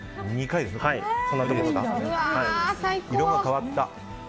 色が変わった。